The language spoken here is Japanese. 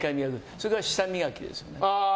それから、舌磨きですね。